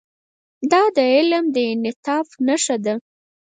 دا د علم د انعطاف نښه ده.